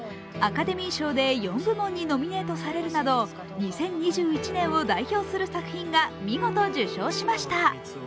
アカデミー賞で４部門にノミネートされるなど２０２１年を代表する作品が見事受賞しました。